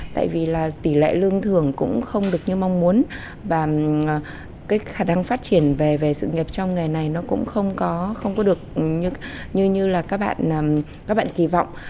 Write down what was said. tại vì tỷ lệ lương thưởng cũng không được như mong muốn và khả năng phát triển về sự nghiệp trong ngành này cũng không có được như các bạn kỳ vọng